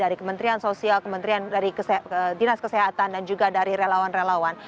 dari kementerian sosial kementerian dinas kesehatan dan juga dari relawan relawan